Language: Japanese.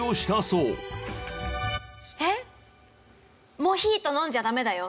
えっ？